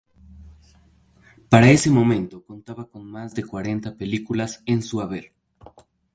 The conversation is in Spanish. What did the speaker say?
Para ese momento contaba con más de cuarenta películas en su haber.